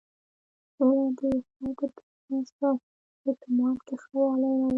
سوله د خلکو تر منځ په اعتماد کې ښه والی راولي.